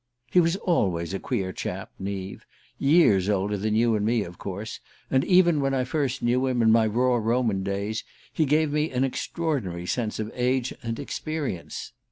He was always a queer chap, Neave; years older than you and me, of course and even when I first knew him, in my raw Roman days, he gave me an extraordinary sense of age and experience.